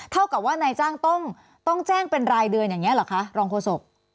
เท่ากับว่านายจ้างต้องแจ้งเป็นรายเดือนอย่างนี้เหรอคะรองโฆษก